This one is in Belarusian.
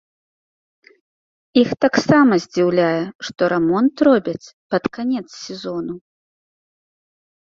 Іх таксама здзіўляе, што рамонт робяць пад канец сезону.